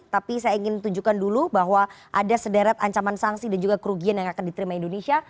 tapi saya ingin tunjukkan dulu bahwa ada sederet ancaman sanksi dan juga kerugian yang akan diterima indonesia